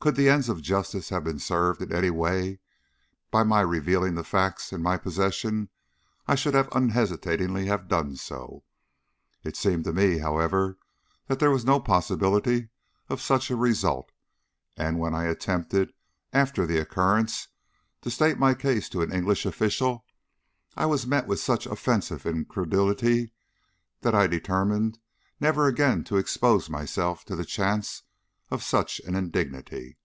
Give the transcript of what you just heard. Could the ends of justice have been served in any way by my revealing the facts in my possession I should unhesitatingly have done so. It seemed to me, however, that there was no possibility of such a result; and when I attempted, after the occurrence, to state my case to an English official, I was met with such offensive incredulity that I determined never again to expose myself to the chance of such an indignity.